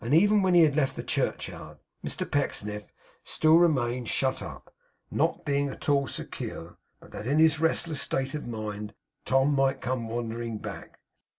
Even when he had left the churchyard, Mr Pecksniff still remained shut up; not being at all secure but that in his restless state of mind Tom might come wandering back.